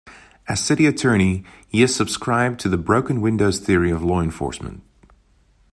As City Attorney, he has subscribed to the "broken windows" theory of law enforcement.